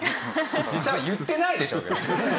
実際は言ってないでしょうけどね。